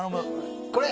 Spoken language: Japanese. これ！